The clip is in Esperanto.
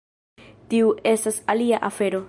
Tiu estas alia afero.